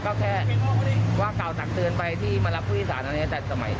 ก็แค่ว่ากล่าวสักเตือนไปที่มารับผู้อินสารอันนี้จากสมัย